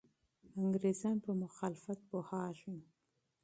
انګریزان په مخالفت پوهېږي.